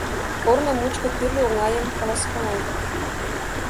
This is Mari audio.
Корно мучко тӱрлӧ оҥайым каласкала.